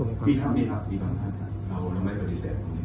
มีท่านมีครับแล้วไม่พิเศษ